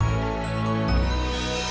ma jangan bhstok cul